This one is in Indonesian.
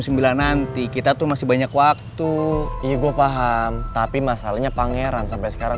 nanti kita tuh masih banyak waktu ibu paham tapi masalahnya pangeran sampai sekarang